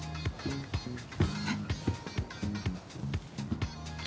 えっ？